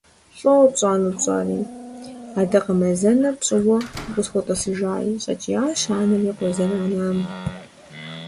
ЛӀо, пщӀэнур пщӀэри, адакъэмазэнэ пщӀыуэ укъысхуэтӀысыжаи, – щӀэкӀиящ анэр и къуэ зэранам.